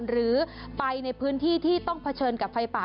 หรือไปในพื้นที่ที่ต้องเผชิญกับไฟป่า